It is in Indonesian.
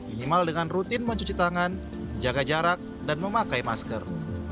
minimal dengan rutin mencuci tangan jaga jarak dan memakai masker